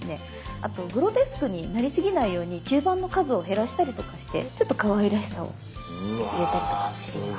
あとグロテスクになりすぎないように吸盤の数を減らしたりとかしてちょっとかわいらしさを入れたりとかしています。